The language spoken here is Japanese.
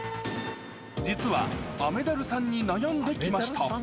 実は雨ダルさんに悩んできました。